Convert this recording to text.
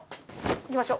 行きましょう。